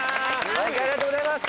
・毎回ありがとうございます！